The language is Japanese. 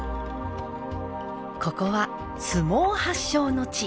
ここは相撲発祥の地。